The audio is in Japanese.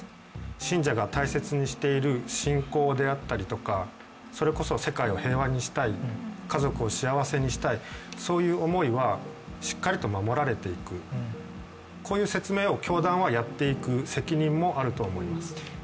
信者が大切にしている信仰であったりとか、それこそ世界を平和にしたい、家族を幸せにしたい、そういう思いはしっかりと守られていく、こういう説明を教団はやっていく責任があると思います。